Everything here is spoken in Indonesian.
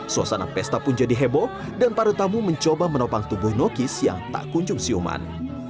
suasana pesta pun jadi heboh dan para tamu mencoba menopang tubuh nokis yang tak kunjung siuman